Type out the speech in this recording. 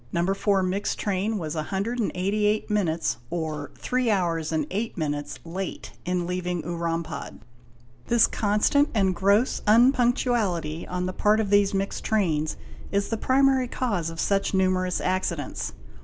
"No. 4 mixed train was 188 minutes, or three hours and eight minutes, late in leaving Urampad. This constant and gross unpunctuality on the part of these mixed trains is the primary cause of such numerous accidents.